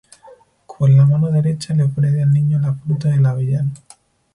Con la mano derecha le ofrece al Niño la fruta del avellano.